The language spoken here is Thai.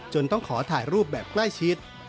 ต้องขอถ่ายรูปแบบใกล้ชิด